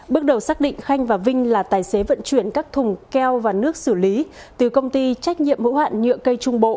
bước đầu xác định khanh và vinh là tài xế vận chuyển các thùng keo và nước xử lý từ công ty trách nhiệm hữu hạn nhựa cây trung bộ